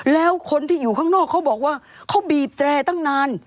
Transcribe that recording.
แล้วคนที่อยู่ข้างนอกเขาบอกว่าเขาบีบแตรตั้งนาน